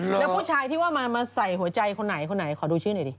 แล้วผู้ชายที่ว่ามาใส่หัวใจคนไหนคนไหนขอดูชื่อหน่อยดิ